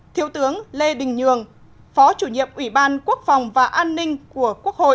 thiếu tướng lê đình nhường phó chủ nhiệm ủy ban quốc phòng và an ninh của quốc hội